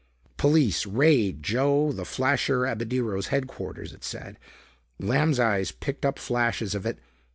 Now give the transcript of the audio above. "Police Raid Joe 'The Flasher' Abadirro's Headquarters," it said. Lamb's eyes picked up flashes of it.